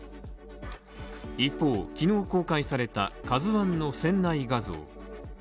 一方、昨日公開された「ＫＡＺＵ１」の船内画像